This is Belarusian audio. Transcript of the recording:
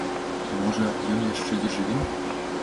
Можа, ён яшчэ дзе жыве?